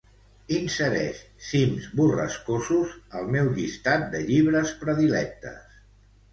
Insereix "Cims borrascosos" al meu llistat de llibres predilectes.